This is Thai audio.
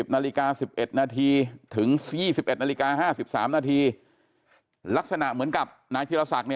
นาฬิกา๑๑นาทีถึง๒๑นาฬิกา๕๓นาทีลักษณะเหมือนกับนายธิรศักดิ์